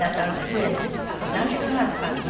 何時間ぐらいかかるの？